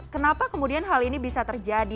kenapa kemudian hal ini bisa terjadi